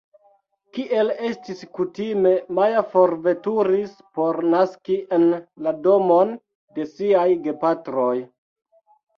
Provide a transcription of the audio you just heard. Kiel estis kutime, Maja forveturis por naski en la domon de siaj gepatroj.